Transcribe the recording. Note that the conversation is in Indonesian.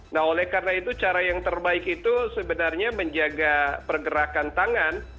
nah oleh karena itu cara yang terbaik itu sebenarnya menjaga pergerakan tangan